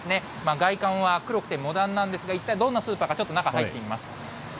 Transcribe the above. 外観は黒くてモダンなんですが、一体、どんなスーパーか、ちょっと中、入ってみます。